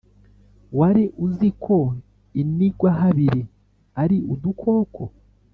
Wari uzi ko inigwahabiri ari udukoko.